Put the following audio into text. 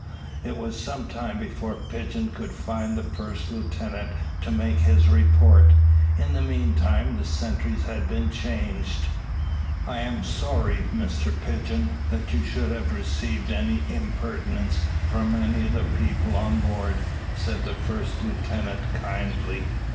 It was some time before Pigeon could find the first lieutenant to make his report. In the meantime the sentries had been changed. "I am sorry, Mr Pigeon, that you should have received any impertinence from any of the people on board," said the first lieutenant kindly.